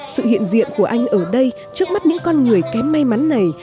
sự hiện diện của anh ở đây trước mắt những con người kém may mắn này